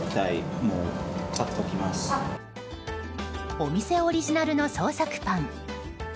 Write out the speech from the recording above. お店オリジナルの創作パン。